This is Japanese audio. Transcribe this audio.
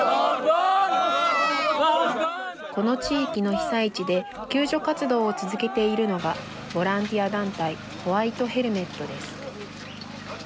この地域の被災地で救助活動を続けているのがボランティア団体ホワイト・ヘルメットです。